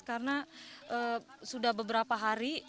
karena sudah beberapa hari